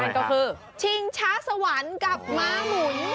นั่นก็คือชิงช้าสวรรค์กับม้าหมุน